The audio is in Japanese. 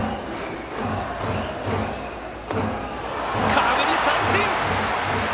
空振り三振。